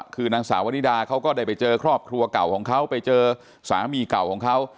คือนางสาววนิดาเขาก็ได้ไปเจอครอบครัวเก่าของเขาไปเจอสามีเก่าของเขา